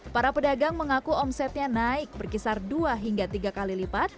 para pedagang mengaku omsetnya naik berkisar dua hingga tiga kali lipat